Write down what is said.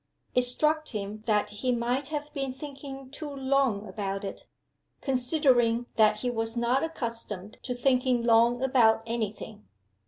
It struck him that he might have been thinking too long about it considering that he was not accustomed to thinking long about any thing.